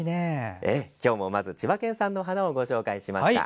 今日も千葉県産の花をご紹介しました。